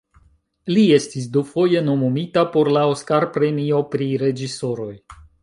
Li estis dufoje nomumita por la Oskar-premio pri reĝisoroj.